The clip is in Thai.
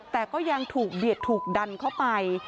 แต่ก็ยังถูกเบียดถูกดันเข้าไป